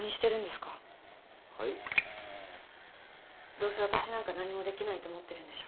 どうせ私なんか何もできないと思ってるんでしょ。